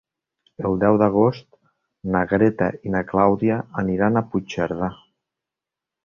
El deu d'agost na Greta i na Clàudia aniran a Puigcerdà.